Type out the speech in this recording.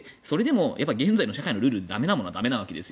それでも現在の社会のルールで駄目なものは駄目なんですよ。